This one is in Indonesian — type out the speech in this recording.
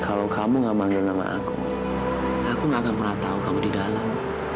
kalau kamu gak manggil nama aku aku gak akan pernah tahu kamu di dalam